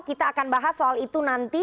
kita akan bahas soal itu nanti